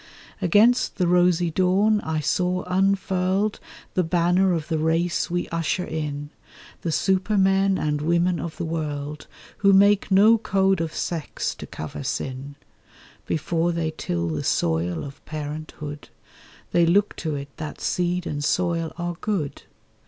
Against the rosy dawn, I saw unfurled The banner of the race we usher in, The supermen and women of the world, Who make no code of sex to cover sin; Before they till the soil of parenthood, They look to it that seed and soil are good.